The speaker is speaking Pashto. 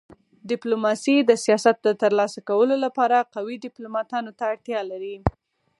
ډيپلوماسي د سیاست د تر لاسه کولو لپاره قوي ډيپلوماتانو ته اړتیا لري.